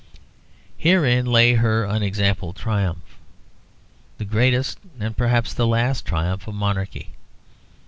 Herein lay her unexampled triumph, the greatest and perhaps the last triumph of monarchy.